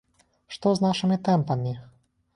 Што з нашымі тэмпамі?